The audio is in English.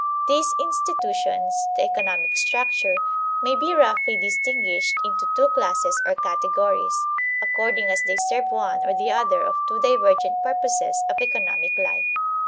These institutions the economic structure may be roughly distinguished into two classes or categories, according as they serve one or the other of two divergent purposes of economic life.